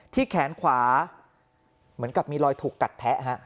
แขนขวาเหมือนกับมีรอยถูกกัดแทะ